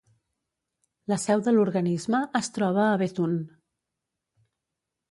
La seu de l'organisme es troba a Béthune.